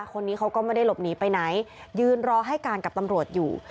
คนนี้เขาก็ไม่ได้หลบหนีไปไหนยืนรอให้การกับตำรวจอยู่